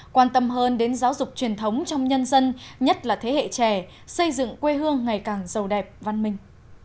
quan tâm hơn đến giáo dục truyền thống trong nhân dân nhất là thế hệ trẻ xây dựng quê hương ngày càng giàu đẹp văn minh